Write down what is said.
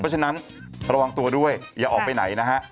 เพราะฉะนั้นระวังตัวด้วยอย่าออกไปไหนนะฮะ